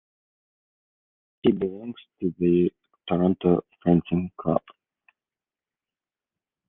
She belongs to the Toronto Fencing Club.